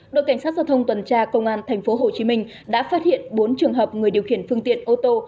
đội cảnh sát giao thông tuần tra công an tp hcm đã phát hiện bốn trường hợp người điều khiển phương tiện ô tô